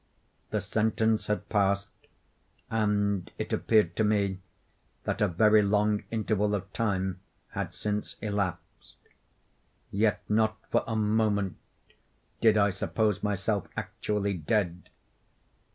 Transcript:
The sentence had passed; and it appeared to me that a very long interval of time had since elapsed. Yet not for a moment did I suppose myself actually dead.